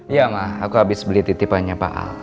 iya ma aku abis beli titipannya pak al